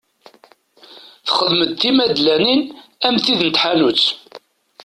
Texdem-d timadlanin am tid n tḥanut.